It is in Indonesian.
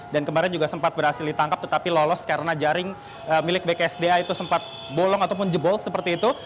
dan kemarin juga sempat berhasil ditangkap tetapi lolos karena jaring milik bksda itu sempat bolong ataupun jebol seperti itu